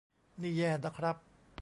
นี่แย่นะครับ